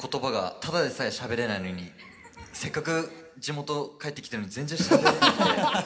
ただでさえしゃべれないのにせっかく地元帰ってきてるのに全然しゃべれないんで。